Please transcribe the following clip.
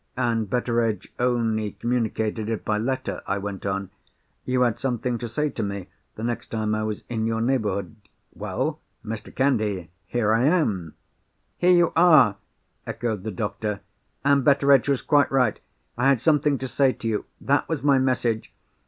"And Betteredge duly communicated it by letter," I went on. "You had something to say to me, the next time I was in your neighbourhood. Well, Mr. Candy, here I am!" "Here you are!" echoed the doctor. "And Betteredge was quite right. I had something to say to you. That was my message.